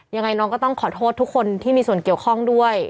ยังไงน้องก็ต้องขอโทษทุกคนที่มีส่วนเกี่ยวข้องด้วย